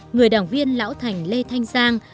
người đảng viên lão thành lê thanh giang